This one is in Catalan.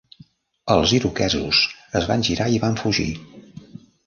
Els iroquesos es van girar i van fugir.